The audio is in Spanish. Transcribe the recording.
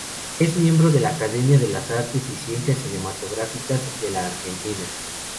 Es miembro de la Academia de las Artes y Ciencias Cinematográficas de la Argentina.